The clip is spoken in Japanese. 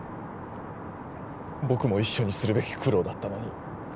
僕も一緒にするべき苦労だったのに